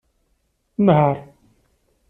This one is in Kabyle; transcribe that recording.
Nheṛ!